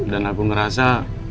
dan aku ngerasa